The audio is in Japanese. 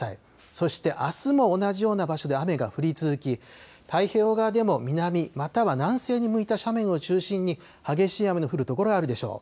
そしてあすも同じような場所で雨が降り続き太平洋側でも南または南西に向いた斜面を中心に激しい雨の降る所があるでしょう。